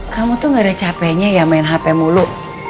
kamu tuh gara gara capeknya ya main hp mulu